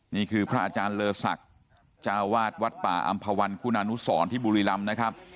นี่คือพระอาจารย์เลอศักดิ์จ้าวาดวัดป่าอำภาวันคุณานุสรที่บุรีรำนะครับ